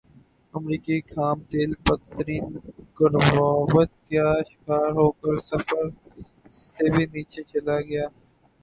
امریکی خام تیل بدترین گراوٹ کا شکار ہوکر صفر سے بھی نیچے چلا گیا